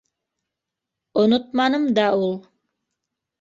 Онотманым да ул...